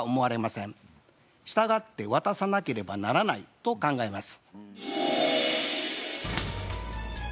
したがって渡さなければならないと考えます。